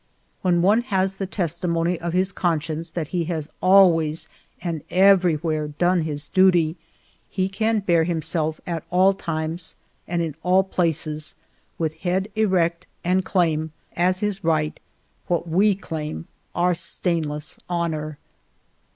When one has the testimony of his conscience that he has always and everywhere done his duty, he can bear himself at all times and in all places with head erect and claim, as his right, what we claim, our stainless honor.